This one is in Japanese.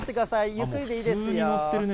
ゆっくりでいいですよ。